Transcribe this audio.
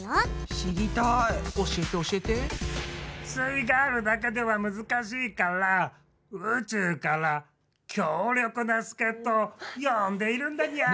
イガールだけでは難しいから宇宙から強力な助っとを呼んでいるんだニャ！